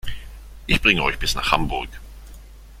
Ich bringe euch bis nach Hamburg